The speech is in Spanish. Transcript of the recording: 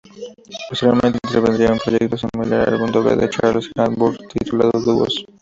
Posteriormente intervendría en otro proyecto similar: el álbum doble de Charles Aznavour titulado "Dúos".